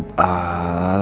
bagus ya al